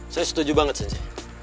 saya setuju banget sensei